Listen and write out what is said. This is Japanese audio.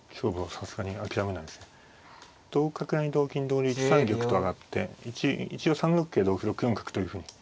同竜１三玉と上がって一応３六桂同歩６四角というふうに。